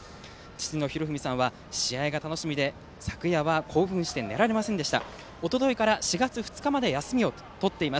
父のひろふみさんは試合が楽しみで昨夜は興奮して寝られませんでした。